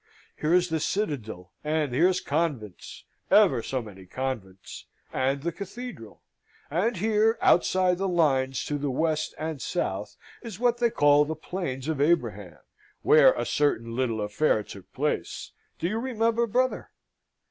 Here's the citadel, and here's convents ever so many convents and the cathedral; and here, outside the lines to the west and south, is what they call the Plains of Abraham where a certain little affair took place, do you remember, brother?